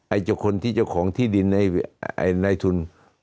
ไอ้คนที่เจ้าของที่ดินไอ้ทุน